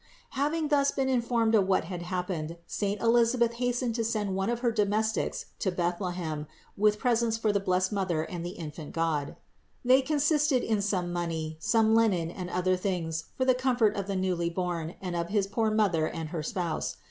491. Having thus been informed of what had hap pened, saint Elisabeth hastened to send one of her domes tics to Bethlehem with presents for the blessed Mother and the infant God. They consisted in some money, some linen and other things for the comfort of the newly born and of his poor Mother and her spouse.